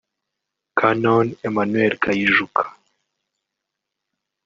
Canon Emmanuel Kayijuka